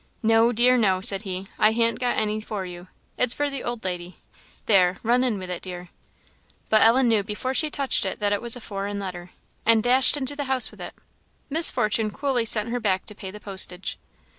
"No, dear, no," said he; "I han't got any for you it's for the old lady; there, run in with it, dear." But Ellen knew before she touched it that it was a foreign letter, and dashed into the house with it. Miss Fortune coolly sent her back to pay the postage.